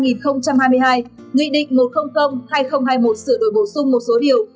nghị định một trăm linh hai nghìn hai mươi một sửa đổi bổ sung một số điều